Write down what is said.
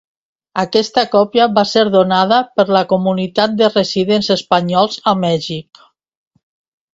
Aquesta còpia va ser donada per la comunitat de residents espanyols a Mèxic.